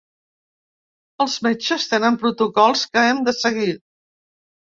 Els metges tenen protocols que hem de seguir.